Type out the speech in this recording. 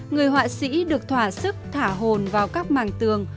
người họa sĩ được thỏa sức thả hồn vào các màng tường